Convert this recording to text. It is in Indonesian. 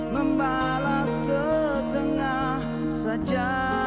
membalas setengah saja